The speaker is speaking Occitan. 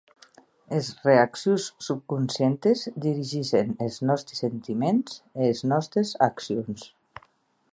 Es reaccions subconscientes dirigissen es nòsti sentiments e es nòstes accions.